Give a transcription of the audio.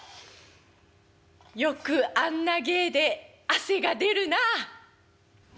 「よくあんな芸で汗が出るなあ」。